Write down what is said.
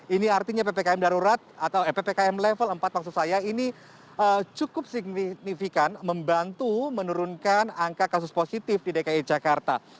ini artinya ppkm darurat atau ppkm level empat maksud saya ini cukup signifikan membantu menurunkan angka kasus positif di dki jakarta